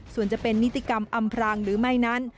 ส่วนจะเป็นนิติกรรมอำพรางหรือไม่นั้น